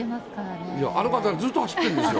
あの方、ずっと走ってるんですよ。